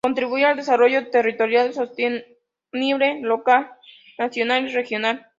Contribuir al desarrollo territorial sostenible local, nacional y regional.